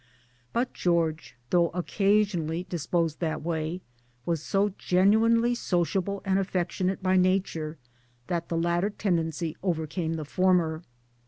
But George though occasionally disposed that way was so genuinely sociable and affectionate by nature that the latter, tendency overcame the former.